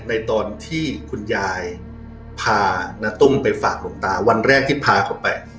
ในตอนที่คุณยายพาณตุ้มไปฝากหลวงตาวันแรกที่พาเขาไป